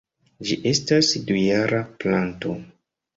Ĝi estas dujara planto.